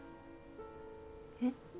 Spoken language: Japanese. えっ。